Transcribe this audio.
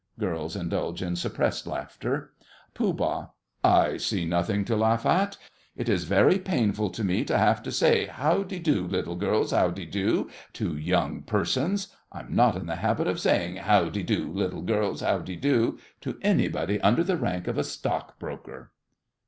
(Girls indulge in suppressed laughter.) POOH. I see nothing to laugh at. It is very painful to me to have to say "How de do, little girls, how de do?" to young persons. I'm not in the habit of saying "How de do, little girls, how de do?" to anybody under the rank of a Stockbroker.